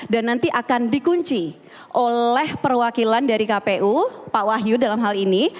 dan nanti akan dikunci oleh perwakilan dari kpu pak wahyu dalam hal ini